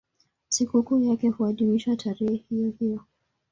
Sikukuu yake huadhimishwa tarehe hiyohiyo.